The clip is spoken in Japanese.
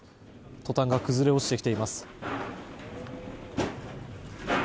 トタンが崩れ落ちてきています。